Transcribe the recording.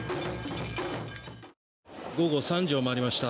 午後３時を回りました。